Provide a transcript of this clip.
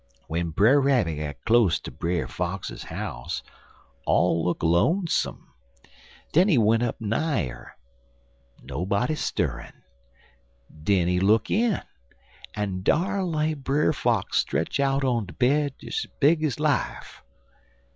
W'en Brer Rabbit got close ter Brer Fox house, all look lonesome. Den he went up nigher. Nobody stirrin'. Den he look in, en dar lay Brer Fox stretch out on de bed des es big ez life.